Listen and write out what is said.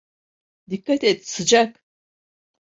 Dikkat et, sıcak.